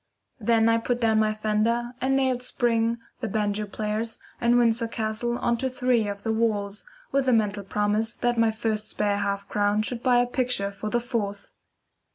Then I put down my fender, and nailed "Spring," "The Banjo Players," and "Windsor Castle" on to three of the walls, with the mental promise that my first spare half crown should buy a picture for the fourth.